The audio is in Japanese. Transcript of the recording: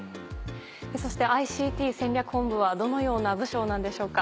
そしてＩＣＴ戦略本部はどのような部署なんでしょうか？